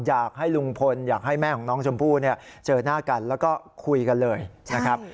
อยากให้ลุงพลอยากให้แม่ของน้องชมพู่เนี่ยเจอหน้ากันแล้วก็คุยกันเลยนะครับ